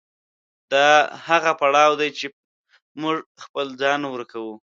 دا هغه پړاو دی چې موږ خپل ځان ورکوو.